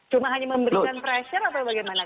cuma hanya memberikan pressure atau bagaimana